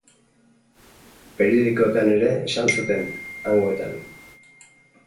Periodikoetan ere esan zuten, hangoetan.